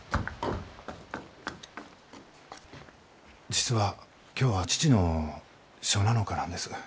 実は今日は父の初七日なんです。